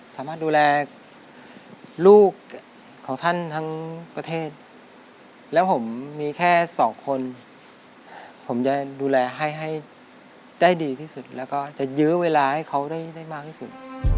สามารถดูแลลูกของท่านทั้งประเทศแล้วผมมีแค่สองคนผมจะดูแลให้ให้ได้ดีที่สุดแล้วก็จะยื้อเวลาให้เขาได้มากที่สุด